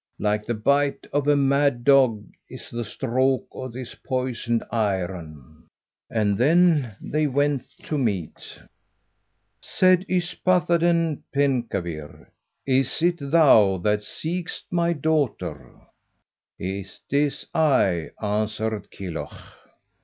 Like the bite of a mad dog is the stroke of this poisoned iron." And they went to meat. Said Yspathaden Penkawr, "Is it thou that seekest my daughter?" "It is I," answered Kilhuch.